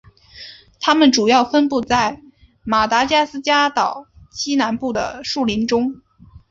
它们主要分布在马达加斯加岛西南部的树林中。